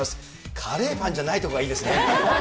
カレーパンじゃないところがいいですね。